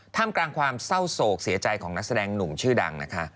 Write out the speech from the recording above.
กลางความเศร้าโศกเสียใจของนักแสดงหนุ่มชื่อดังนะคะ